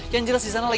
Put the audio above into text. yang jelas di sana